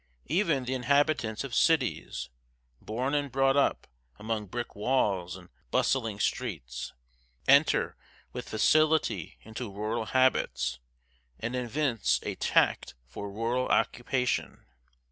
Even the inhabitants of cities, born and brought up among brick walls and bustling streets, enter with facility into rural habits, and evince a tact for rural occupation.